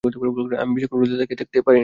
আমি বেশিক্ষণ রোদে তাকিয়ে থাকতে পারি না।